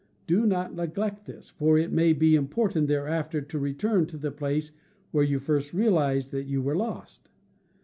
Do not neglect this; for it may be important thereafter to return to the place where you first realized that you were lost.